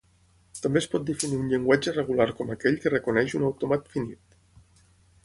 També es pot definir un llenguatge regular com aquell que reconeix un autòmat finit.